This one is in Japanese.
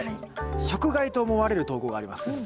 食害と思われる投稿があります。